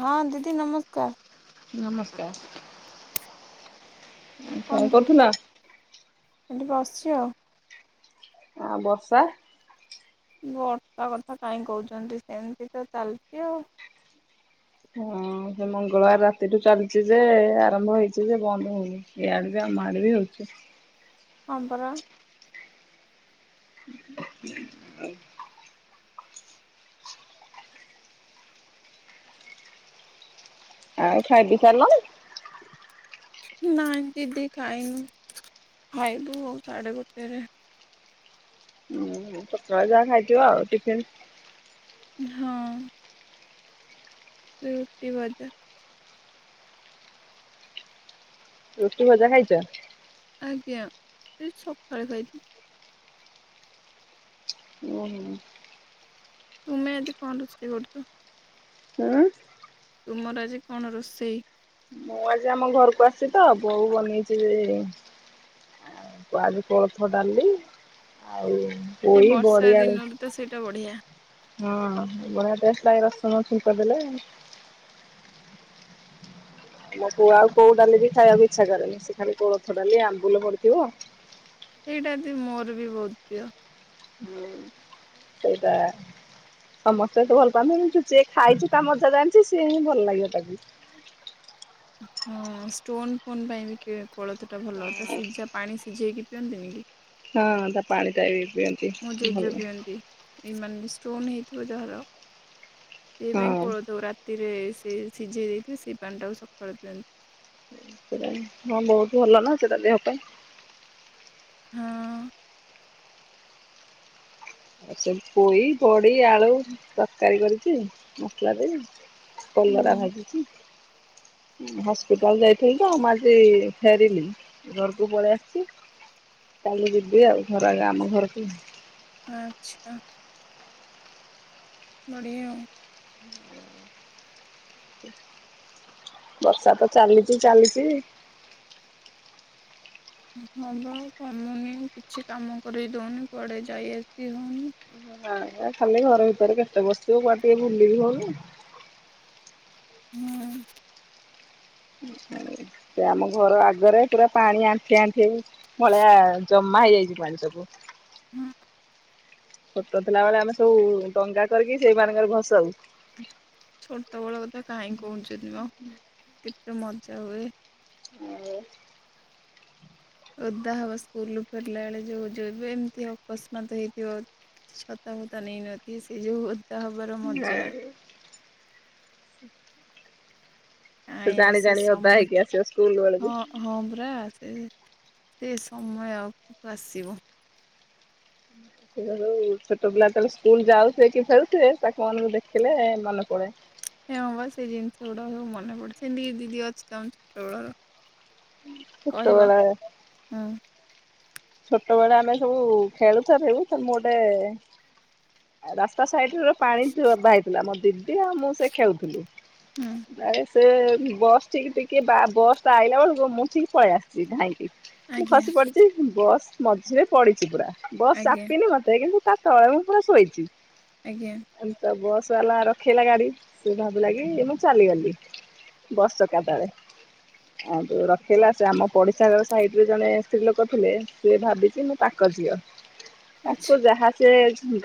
ହଁ ଦିଦି ନମସ୍କାର। ନମସ୍କାର। କଣ କୁହନ୍ତୁ କରୁଥିଲ? ବସିଛି ଆଉ। ଆଉ ବର୍ଷା ବର୍ଷା କଥା କାହିଁ କହୁଛନ୍ତି ସେମିତି ତ ଚାଲିଛି ଆଉ। ହଁ ସେ ମଙ୍ଗଳବାର ରାତିଠୁ ଆଉ ସେ ମଙ୍ଗଳବାର ରାତିରୁ ଚାଲିଚି ଯେ ଆରମ୍ଭ ହେଇଚି ଯେ ବନ୍ଦ ହୋଉନି। ଏଇଆଡେ ବି ଆମ ଆଡେ ବି [unintelligible] ହଁ ମ୍ପରା। [inaudible] ଆଉ ଖାଇପି ସାରଲଣି? ନାଇଁ ଦିଦି ଖାଇନୁ ଖାଇବୁ ସାଡେ ଗୋଟେରେ। ଛୁଆ ଯାହା ଖାଇଥିବ ଆଉ ଟିଫିନ ହଁ। ତୁ ରୁଟି ଭଜା। ରୁଟି ଭଜା ଖାଇଚ? ଆଜ୍ଞା ଏ ସକାଳେ ଖାଇଥିଲି। ଓହୋ ତୁମେ ଆଜି କଣ ରୋଷେଇ କରୁଚ? ଉଁ ତୁମର ଆଜି କଣ ରୋଷେଇ? ମୁଁ ଆଜି ଆମ ଘରକୁ ଆସି ତ ବୋଉ ବନେଇଚି ଯେ ଆଉ [unintelligible] କୋଳଥ ଡାଲି ଆଉ ଏଇ ପୋଇ ବର୍ଷା ବଢି ଆଳୁ ଦିନରେ ତ ସେଇଟା ବଢିଆ ହଁ [unintelligible] ପାଇ ରସୁଣ ଛୁଙ୍କ ଦେଲେ। ମୋ ପୁଅ ଆଉ କୋଉ ଡାଲି ବି ମୋ ଛୁଆ ଆଉ କୋଉ ଡାଲି ବି ଖାଇବାକୁ ଇଚ୍ଛା କରେନି ସିଏ ଖାଲି କୋଳଥ ଡାଲି ଆମ୍ବୁଲ ପଡିଥିବ ବିରିଡାଲି ମୋର ବି ବୋହୁତ ପ୍ରିୟ। ହୁଁ ସେଇ ପା ସମସ୍ତେ ତ ଭଲ ପାଆନ୍ତିନି ଚୁଚିକି ଖାଇଚି ତା ମଜା ଜାଣିଚି ସିଏ ହିଁ ଭଲ ଲାଗିବ ତାକୁ। [inaudible] ହଁ ଷ୍ଟୋନ ଫୋନ ପାଇଁ ବି କି କୋଳଥ ଟା ଭଲ ତା ସିଝା ପାଣ ଚିକିି ପିଅନ୍ତିନି କି? ହଁ ତା ପାଣି ଟା ବି ପିଅନ୍ତି ମୋ ଜେଜ ଭଲ। ପିଅନ୍ତି ଏଇ ମାନେ ଷ୍ଟୋନ ହେଇଥିବ। ଯାହାର ଏହି ପାଇଁ ହଁ ପଳଉଥିବ ପୂରା ଥିରେ ସେ ସିଝେଇ ଦେଇକି ସେଇ ପାଣି ଟାକୁ ସକାଳୁ ପିଅନ୍ତି। ପୂରା ହଁ ବହୁତ ଭଲ ନା ସେଟା ଦେହ ପାଇଁ। ହଁ ସେ ପୋଇ ବଡ଼ି ଆଳୁ ତରକାରୀ କରିଚି ମସଲା ଦେଇ। କଲରା ହୁଁ ଭାଜିଚି। ହସ୍ପିଟାଲ ଯାଇଥିଲି ତ ମୁ ଆଜି ଫେରିଲି ଘରକୁ ପଳେଇ ଆସଚି। କାଲି ଯିବି ଆଉ ଘର ଆଗ ଆମ ଘରକୁ। ଆଛା। ବଢ଼ିଆ ଆଉ। ବର୍ଷା ତ ଚାଲିଚି ଚାଲିଚି। ହବ କମୁନି କିଛି କାମ କରିଦଉନି କୁଆଡେ ଯାଇ ଆସି ହଉନି। ଆଜ୍ଞା ଖାଲି ଘର ଭିତରେ କେତେ ବସିବ କୁଆଡେ ଟିକେ ବୁଲିବି ହଉନି। ହୁଁ। ସେ ଆମ ଘର ଆଗରେ ପୁରା ପାଣି ଆଣ୍ଠିଏ ଆଣ୍ଠିଏ ହେଇ ଭଳିଆ ଜମା ହେଇଯାଇଚି ପାଣି ସବୁ। ହୁଁ। ଛୋଟ ଥିଲା ବେଳେ ଆମେ ସବୁ ଡଙ୍ଗା କରିକି ସେଇ ମାନଙ୍କର ଭସଉ। ଛୋଟ ବେଳ କଥା କାହିଁ କହୁଛନ୍ତି ମ କେତେ ମଜା ହୁଏ। ଆଉ ଓଦା ହବ ସ୍କୁଲୁ ଫେରିଲା ବେଳେ ଯଉ ଯେବେ ଏମିତି ଅକସମାତ ହେଇଥିବ। ଛତା ଫତା ନେଇନ ଥିବେ ସେ ଯୋଉ ଓଦା ହବାର ମଜା। ଆ [inaudible] ଆୟ ସେ ସମୟ ହେଇକି ଆସିବ ସ୍କୁଲ ବେଳକୁ। ହଁ ହଁ ପରା ସେ ସେ ସମୟ ଆଗକୁ ଆସିବ। ସେ ଛୋଟ ପିଲା ଯେତେବେଳେ ସ୍କୁଲ ଯାଉଥିବେ କି ଫେରୁଥିବେ ତାଙ୍କ ମାନଙ୍କୁ ଦେଖିଲେ ମନେ ପଡେ। ହେ ହଁ ବା ସେ ଜିନିଷ ଗୁଡାକ ସବୁ ମନେ ପଡୁଛି ଦିଦି ଅଛି ତମ ଛୋଟବେଳର କହିବ ଏତବେଳ ହୁଁ ଛୋଟ ବେଳେ ଆମେ ସବୁ ଖେଳୁ ଖେଳୁ ମୁଁ ଗୋଟେ ରାସ୍ତା ସାଇଡ ର ପାଣି ଡଭା ହେଇଥିଲା ମୋ ଦିଦି ଆଉ ମୁଁ ସେ ଖେଳୁଥିଲୁ। ହୁଁ ସେ ବସ୍ ଟିକି ଟିକେ ବା ବସଟା ଆଇଲା ବେଳକୁ ମୁଁ ଠିକ୍ ପଳେଇ ଆସିଛି ଧାଇଁକି ମୁଁ ଆଜ୍ଞା! ଖସି ପଡିଛି ବସ୍ ମଝିରେ ପଡିଚି ପୁରା ବସ୍ ଆଜ୍ଞା ଚାପିନି ମତେ କିନ୍ତୁ ତା ତଳେ ମୁଁ ପୁରା ଶୋଇଚି। ଆଜ୍ଞା ଏମତା ବସ୍ ବାଲା ରଖେଇଲା ଗାଡ଼ି ସେ ଭାବିଲା କି ମୁଁ ଚାଲିଗଲି ବସ୍ ଚକାତଳେ ହାଠୁ ରଖେଇଲା ସେ ଆମ ପଡିଶା ଘର ସଇଟରେ ଜଣେ ସ୍ତ୍ରୀ ଲୋକ ଥିଲେ ସେ ଭାବିଛି ମୁଁ ତାଙ୍କ ଝିଅ ତାକୁ ଆଚ୍ଛା ଯାହା ସେ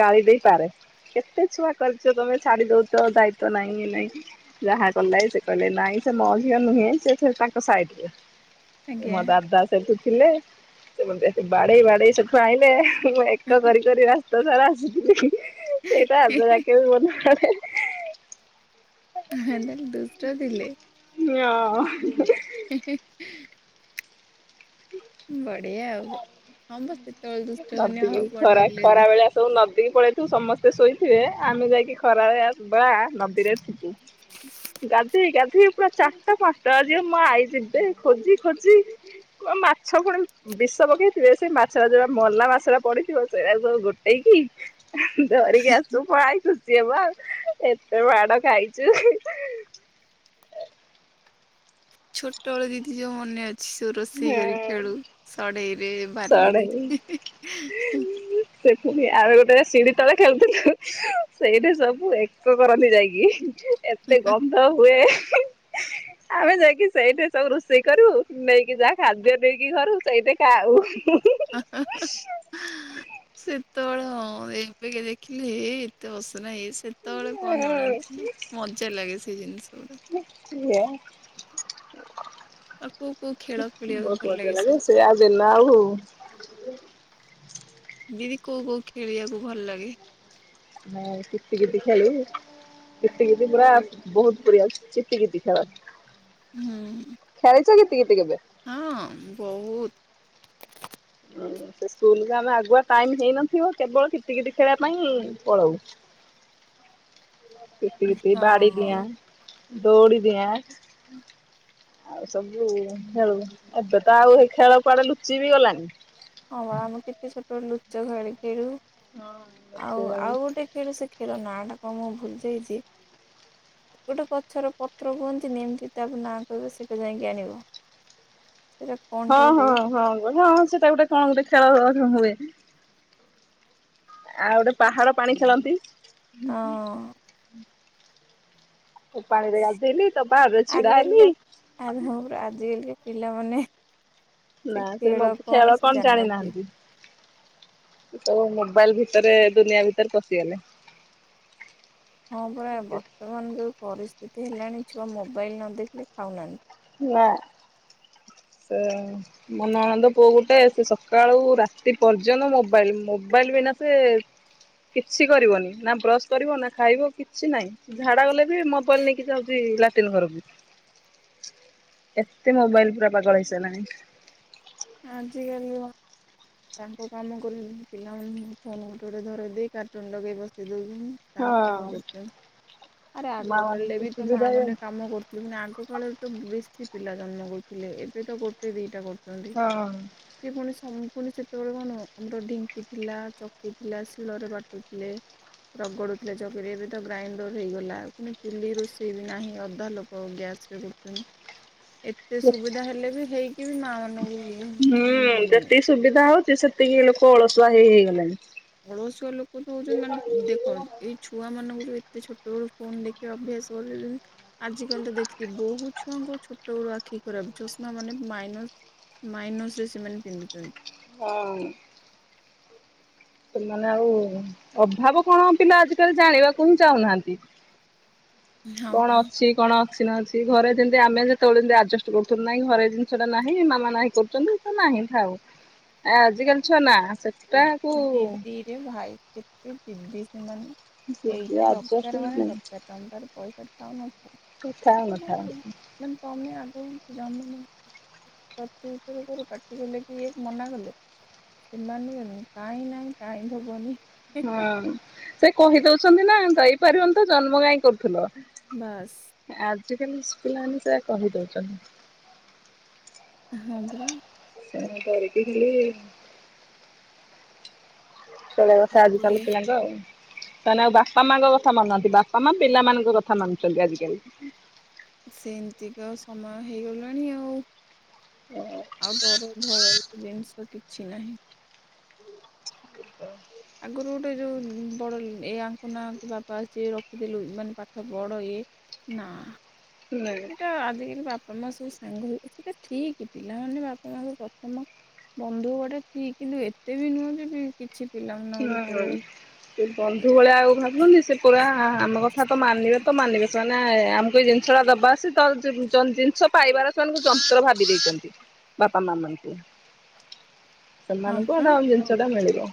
ଗାଳି ଦେଇ ପାରେ। କେତେ ଛୁଆ କରିଛ ତମେ ଛାଡି ଦଉଛ ଦାୟିତ୍ୱ ନାଇଁ ନାଇଁ ଯାହା କଲେ ସେ କହିଲେ ନାଇଁ ସେ ମହିଳା ନୁହେ ସେ ତାଙ୍କ ସାଇଡ ଆଜ୍ଞା। ମୋ ଦାଦା ସେଠୁ ଥିଲେ ସେ ମୋତେ ବାଡେଇ ବାଡେଇ ସେଠୁ ଆଇଁଲେ। ମୁଁ ଏକ କରି କରି ରାସ୍ତା ସାରା ଆସିଥିଲି ସେଇଟା ଏବେ ଯାକେ ମୋର [inaudible] ଦୁଷ୍ଟ ଥିଲେ। ଓ ହିଁ ହିଁ ବଢ଼ିଆ ଆଉ। ହଁ ବା ସେତେବେଳେ ଦୁଷ୍ଟ ହଉନି ନଦୀ ଆଉ ବଡ ଖରା ହେଲେ ଏବେ। ଖରା ବେଳିଆ ସବୁ ନ ଏତିକି ପଳେଇଥିବୁ ସମସ୍ତେ ଶୋଇଥିବେ ଆମେ ଯାଇକି ଖରାବେଳିଆ ବା ନଦୀରେ ଥିବୁ ଗା ଗାଧେଇ ଗଧେଇ ପୁରା ଚାରଟା ପାଞ୍ଚଟା ବାଜିବ ମୋ ଆଇ ଯିବେ ଖୋଜି ଖୋଜି ମାଛ ପୁଣି ବିଷ ପକେଇଥିବେ ସେ ମାଛଟା ଯୋଉଟା ମଲା ମାଛ ରା ପଡିଥିବ ସେଇରା ସବୁ ଗୋଟେଇ କି ଧରିିକି ଆସୁ ପଳାଇ ଏତେ ମାଡ଼ ଖାଇଛୁ ଛୋଟବେଳୁ ଦିଦି ଯୋଉ ମନେ ଅଛି ସବୁ ରୋଷେଇ କରି ହୁଁ ଖେଳୁ ସଢେଇରେ ବାଲିରେ ସଢେଇ ସେ ପୁଣି ଆଉ ଗୋଟେ ସିଢି ତଳେ ଖେଳୁଥିଲୁ ସେଇଠି ସବୁ ଏକ କରନ୍ତି ଯାଇକି ଏତେ ଗନ୍ଧ ହୁଏ ଆମେ ଯାଇକି ସେଇଠି ସବୁ ରୋଷେଇ କରୁ ନେଇକି ଯାହା ଖାଦ୍ୟ ନେଇକି ଘରୁ ସେଇଠେ ଖାଉ। ଶୀତଳ ହଁ, ଏବେ କେ ଦେଖିଲି ହେଇ ହେଇ ଏତେ ନାଇ ସେତେବେଳେ କଣ ଜଣାନ୍ତି ଇଏ ମଜା ଲାଗେ ସେ ଜିନିଷ ଗୁଡା ଆଉ କୋଉ କୋଉ ଖେଳ ଖେଳିବାକୁ ବହୁତ ଭଲ ମଜା ଲାଗେ ସବୁ ସେୟାଦିନ ଆଉ ଦିଦି କୋଉ କୋଉ ଖେଳିବାକୁ ଭଲ ଲାଗେ? ଆମେ କିତି କିତି ଖେଳୁ। କିତି କିତି ପୁରା ବହୁତ ବରିଆ କିତି କିତି ଖେଳ ହୁଁ ଖେଳିଛ କିତି କିତି କେବେ? ହଁ, ବହୁତ। ହଁ, ସେ ସ୍କୁଲକୁ ଆମେ ଆଗୁଆ ଟାଇମ ହେଇନଥିବ କେବଳ କିତି କିତି ଖେଳିବା ପାଇଁ ପଳଉ। କିତି କିତି, ହଁ ବାଡ଼ି ହଁ ଡିଆଁ, ଦୌଡ଼ି ଡିଆଁ ଆଉ ସବୁ ଖେଳୁ ଏବେ ତ ଆଉ ହେଇ ଖେଳ କୁଆଡେ ଲୁଚି ବି ଗଲାଣିି। ହଁ ବା ଆମେ କେତେ ଛୋଟ ବେଳେ ଲୁଚକାଳି ଖେଳୁ ଆଉ ଆଉ ଗୋଟେ ଖେଳୁ ସେ ଖେଳ ନାଁଟା କ ମୁଁ ଭୁଲ ଯାଇଛି। ଗୋଟେ ଗଛର ପତ୍ର କୁହନ୍ତି ନେମିତି ତାପରେ ନାଁ କହିବ ସେଇଟା ଯାଇକି ଆଣିବ। [inaudible] ସେଇଟା କଣଟା ହଁ ଗୋଟେ ହଁ ହଁ ହଁ ସେଟା ଗୋଟେ କଣ ଗୋଟେ ଖେଳ ହ ହ ହୁଏ। ଆଉ ଗୋଟେ ପାହାଡ ପାଣି ଖେଳନ୍ତି ହୁଁ ହୁଁ। ହଁ ପାଣିରେ ଗାଧେଇଲି ତୋ ପାହାଡରେ ଛିଡା ହେଲି। ଆଜିକାଲିକା ଆଜିକାଲିକା ପିଲାମାନେ। ନା ସେ ମ ଖେଳ ଖେଳ ସେ କଣ ଜାଣିନଥିବେ। ଜାଣିନାହାନ୍ତି। ତ ମୋବାଇଲ ଭିତରେ ଦୁନିଆ ଭିତରେ ପଶିଗଲେ। ହଁ ପରା ବର୍ତ୍ତମାନ ଯୋଉ ପରିସ୍ଥିତି ହେଲାଣି ଛୁଆ ମୋବାଇଲ ନ ଦେଖିଲେ ଖାଉନା ନା। ସେ ମୋ ନଣନ୍ଦେଇ ପୁଅ ଗୋଟେ ସେ ସକାଳୁ ରାତି ପର୍ଯ୍ୟନ୍ତ ମୋବାଇଲ ମୋବା କହିଲୁ କାହିଁକି ନା ସେ। କିଛି କରିବନି ନା ବ୍ରଶ କରିବ ନା ଖାଇବ କିଛି ନାହିଁ ସେ ଝାଡା ଗଲେ ବି ମୋବାଇଲ ନେଇକି ଯାଉଛି। ଲାଟିନ ଘରକୁ ଏତେ ମୋବାଇଲ ପୁରା ପାଗଳ ହେଇସାରିଲାଣି। ଆଜିକାଲି ତାଙ୍କ କାମ କରୁଛନ୍ତି ପିଲାମାନଙ୍କୁ ଫୋନ ଗୋଟେ ଗୋଟେ ଧରେଇ ଦେଇ କାର୍ଟୁନ ଲଗେଇ ବସେ [unintelligible] ହଁ ତାଙ୍କ କାମ କରୁଛନ୍ତି। ଆରେ ମା ଆଗ କାଳରେ ମାନଙ୍କୁ ବି ତ ମା ସୁବିଧା ମାନେ ହେଇଯାଉଛି। କାମ କରୁଥିଲେ ପୁଣି ଆଗ କାଳରେ ତ ବେଶୀ। ପିଲା ଜନ୍ମ କରୁଥିଲେ ଏବେ ତ ଗୋଟେ ଦିଟା କରୁଛନ୍ତି ହଁ ସେ ପୁଣି ସମ ପୁଣି ସେତେବେଳେ କଣ ଆମର ଢିଙ୍କି ଥିଲା ଚକି ଥିଲା ଶିଳରେ ବାଟୁ ଥିଲେ। ରଗଡୁଥିଲେ ଚକିରେ ଏବେ ତ ଗ୍ରାଇଣ୍ଡର ହେଇଗଲା ପୁଣି ଚୁଲି ରୋଷେଇ ବି ନାହିଁ ଅଧା ଲୋକ ଗ୍ୟା- ଏ ସି ରେ ଗଡୁଛନ୍ତି ଏତେ ସୁବିଧା ହେଲେ ବି ହେଇକି ବି ମା ମାନଙ୍କୁ ଇଏ ହୁଁ ମାନେ ଯେତିକି ସୁବିଧା ହଉଛି ସେତିକି ଲୋକ ଅଳସୁଆ ହେଇ ହେଇଗଲେଣି ଅଳସୁଆ ଲୋକ ତ ହଉଛନ୍ତି ମାନେ ଦେଖ ଏଇ ଛୁଆ ମାନଙ୍କୁ ଯୋଉ ଏତେ ଛୋଟ ବେଳୁ ଫୋନ ଦେଖିବା ଅଭ୍ୟାସ କଲେ ଆଜି କାଲି ତ ଦେଖିଥିବୁ ବହୁତ ଛୁଆଙ୍କୁ ଛୋଟ ବେଳୁ ଆ ଠିକ କର ଚଷମା ମାନେ ମାଇସ ମାଇନସ ରେ ସେମାନେ ପିନ୍ଧୁଛନ୍ତି। ହଁ। ସେମାନେ ଆଉ ଅଭାବ କଣ ପିଲା ଆଜିକାଲି ଜାଣିବାକୁ ହିଁ ଚାହୁଁନାହାନ୍ତି। ହଁ କଣ ପରା। ଅଛି କଣ ଅଛି ନା ସେଇ ଘରେ ଯେମିତି ଆମେ ଯେତେବେଳେ ଯେମିତି ଆଡଜଷ୍ଟ କରୁଥିଲୁ ନାହିଁ ଘରେ ଜିନିଷଟା ନାହିଁ ମାମା ନାହିଁ କରୁଛନ୍ତି ତ ନାହିଁ ଥାଉ। ଆ ଆଜିକାଲି ଛୁଆ ନା ସେଟା କୁ। ଇରେ ଭାଇ କେତେ ଜିଦି ସେମାନେ। ଏଇଟା ଆଡଜଷ୍ଟ ଦରକାର ମାନେ ଦରକାର ତମ ପାଖରେ ପଇସା ଥାଉ ନଥାଉ ସବୁ ଥାଉ ନ ଥାଉ। କହୁନୁ ଜମି ଜମା ପ୍ରତିଉତ୍ତର କରୁ ପାଟି କଲେ ବି ଇଏ ମନା କଲେ ସେମାନେ ଉଁ କାହିଁ ନାହିଁ କାହିଁ ଧବନି। ହୁଁ ସେ କହିଦଉଛନ୍ତି ନା ଯାଇପାରିବନି ତ ଜନ୍ମ କାଇଁ କରୁଥିଲ? ବାସ୍। ସେ ଖାଲି ସ୍କୁଲ ଆଣି ସେୟା କହିଦଉଛନ୍ତି। ହଁ ପରା। ସେମାନେ କରିକି ବି। ଚଳେଇବା କଥା ଆଜିିକାଲି କରିବା ପିଲାଙ୍କୁ ଆଉ। ମାନେ ଆଉ ବାପା ମାଙ୍କ କଥା ମାନୁନାହାନ୍ତି ବାପା ମା ପିଲାମାନଙ୍କ କଥା ମାନୁଛନ୍ତି ଆଜିକାଲି। ସେମିତିକା ସମୟ ହେଇଗଲାଣି ଆଉ। ଆଉ ଡର ଭୟ ତ ଜିନିଷ କିଛି ନାହିଁ। ଆଗରୁ ଗୋଟେ ଯୋଉ ବଡ଼ ଏ ଆଙ୍କ ନାଙ୍କ ବାପା ସେ ରଖିଥିଲୁ ମାନେ ପାଠ ପଢ଼ ଇଏ ନା ନାଇଁ। ସେଟା ଆଜିକାଲି ବା ତମ ସବୁ ସାଙ୍ଗ [unintelligible] ସେଟା ଠିକ ପିଲାମାନେ ବାପା ମା ସବୁ ପ୍ରଥମ ବନ୍ଧୁହବାଟା ଠିକ ଯେ, ଏତେ ବି ନୁହଁ ଯେ କିଛି ପିଲାମାନଙ୍କ ହଁ ହଁ। ଭିତରେ ସେ ବନ୍ଧୁ ଭଳିଆ ଆଉ ଭାବୁନି, ସେ ପୁରା ଆମର [unintelligible] କଥା ତ ମାନିବେ ତ ମାନିବେ। ସେମାନେ ଆମକୁ ଏଇ ଜିନିଷ ଟା ଦବା ଅଛି ତାପରେ ଜ ଜୁଁନ୍ ଜିନିଷ ପାଇବାରେ ସେମାନଙ୍କୁ ପୁରା ଭାବି ଦେଇଛନ୍ତି, ବାପା ମା ମାନିକି। ହଁ ସେମାନଙ୍କୁ ପରା ହେଟା ଆଉ ଜିନିଷ ଟା ମିଳିବ।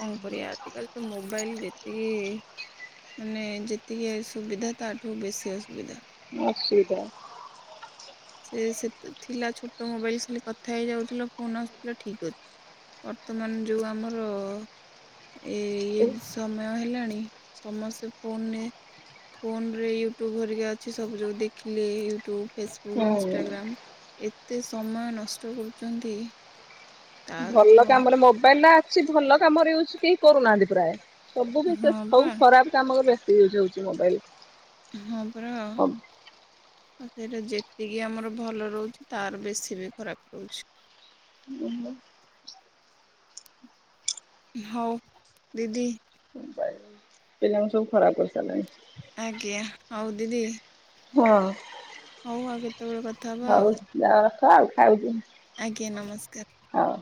କଣ କରିବା, ଆଜିକାଲି ତ ମୋବାଇଲ୍ ଯେତିକି ମାନେ ଯେତିକି ଏ ସୁବିଧା ତାଠୁ ବେଶୀ ଅସୁବିଧା। ଅସୁବିଧା। ସେ ସେତେ ଥିଲା ଛୋଟ ମୋବାଇଲ ଖାଲି କଥା ହେଇଯାଉଥିଲ ଫୋନ ଆସୁଥିଲା ଠିକ ଅଛି। ବର୍ତ୍ତମାନ ଯୋଉ ଆମର ଏଇ ହୁଁ ଜ୍ ସମୟ ହେଲାଣି ସମସ୍ତେ ଫୋନରେ ଫୋନ ରେ ୟୁଟ୍ୟୁବ ହେରିକା ଅଛି। ସବୁୁ ଯୋଉ ଦେଖିଲେ ୟୁଟ୍ୟୁବ, ଫେସ୍ ଇଷ୍ଟାଗ୍ରାମ୍ ଏତେ ସମୟ ନଷ୍ଟ କରୁଛନ୍ତି? ତାର ତ ଭଲ ହଁ କାମରେ ମୋବାଇଲ ଟା ଅଛି ଭଲ କାମରେ ୟୁଜ୍ କେହି କରୁନାହାନ୍ତି ପ୍ରାୟ। ଏବେ ବିଶେଷ ପା ସବୁ ଖରାପ କାମରେ ବେଶୀ ୟୁଜ୍ ହଉଛି ମୋବାଇଲ୍। ହଁ ପରା। ଆଉ ସେଟା ଯେତିକି ଆମର ଭଲ ରହୁଛି, ତାର ବେଶୀ ବି ଖରାପ୍ ରହୁଛି। [unintelligible] ହଉ, ଦିଦି ମୋବାଇଲ୍ ପିଲାମାନେ ସବୁ ଖରାପ କରିସାରିଲାଣି। ଆଜ୍ଞା, ହଉ ଦିଦି ହଁ। ହଉ, ଆଉ କେତେବେଳେ କଥା ହବା ଆଉ। ହଉ [unintelligible] ଆଜ୍ଞା ନମସ୍କାର। ହଉ।